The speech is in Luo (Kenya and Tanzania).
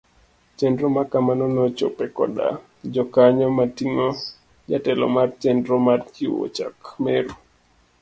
Chenro makamano nochope koda jokanyo moting'o jatelo mar chnero mar chiwo chak Meru.